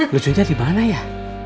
lucunya di mana ya